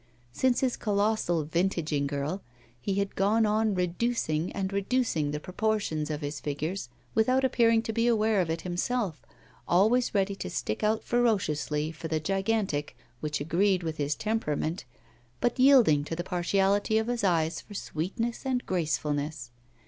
Since his colossal 'Vintaging Girl,' he had gone on reducing and reducing the proportions of his figures without appearing to be aware of it himself, always ready to stick out ferociously for the gigantic, which agreed with his temperament, but yielding to the partiality of his eyes for sweetness and gracefulness.